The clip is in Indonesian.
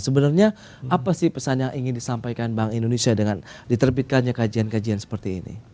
sebenarnya apa sih pesan yang ingin disampaikan bank indonesia dengan diterbitkannya kajian kajian seperti ini